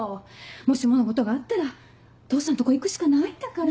もしものことがあったら父さんとこ行くしかないんだから。